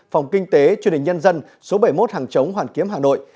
phòng kinh tế truyền hình nhân dân số bảy mươi một hàng chống hoàn kiếm hà nội